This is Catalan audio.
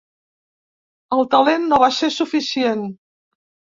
El talent no va ser suficient.